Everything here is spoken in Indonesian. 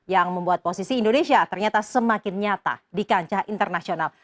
yang membuat posisi indonesia ternyata semakin nyata di kancah internasional